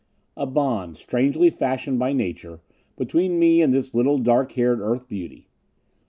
A bond, strangely fashioned by nature, between me and this little dark haired Earth beauty.